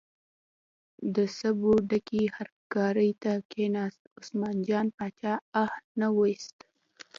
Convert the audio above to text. د سبو ډکې هرکارې ته کیناست، عثمان جان باچا اه نه ویست.